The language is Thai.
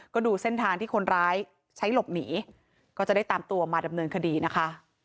ก็ดูเส้นทางที่คนร้ายใช้หลบหนีก็จะได้ตามตัวมาดำเนินคดีนะคะ